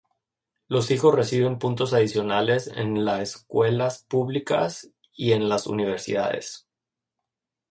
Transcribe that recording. Los hijos reciben puntos adicionales en la escuelas públicas y en las universidades.